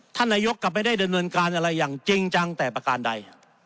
ท่านนายกกลับไม่ได้ดำเนินการอะไรอย่างจริงจังแต่ประการใด